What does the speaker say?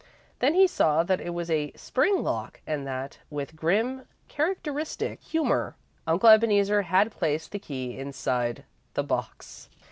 Then he saw that it was a spring lock, and that, with grim, characteristic humour, Uncle Ebeneezer had placed the key inside the box.